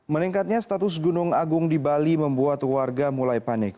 meningkatnya status gunung agung di bali membuat warga mulai panik